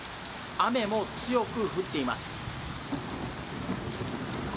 雨も強く降っています。